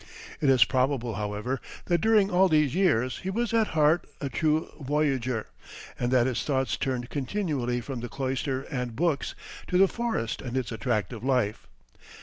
It is probable, however, that during all these years he was at heart a true voyageur, and that his thoughts turned continually from the cloister and books to the forest and its attractive life.